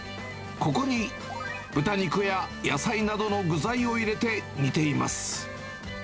ここに豚肉や野菜などの具材を入れて煮ています。